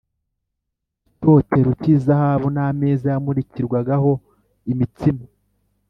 icyotero cy’izahabu n’ameza yamurikirwagaho imitsima